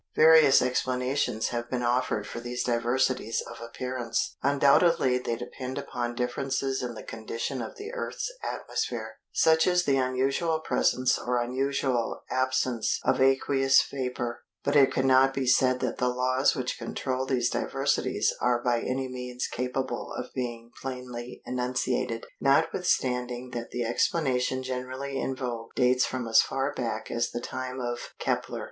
Various explanations have been offered for these diversities of appearance. Undoubtedly they depend upon differences in the condition of the Earth's atmosphere, such as the unusual presence or unusual absence of aqueous vapour; but it cannot be said that the laws which control these diversities are by any means capable of being plainly enunciated, notwithstanding that the explanation generally in vogue dates from as far back as the time of Kepler.